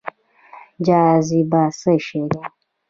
جاذبه څه شی دی؟